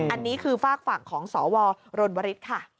อันนี้คือฝากฝั่งของสวรรณวริสค่ะ